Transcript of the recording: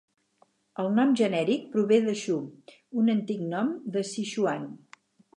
El nom genèric prové de "Shu", un antic nom de Sichuan.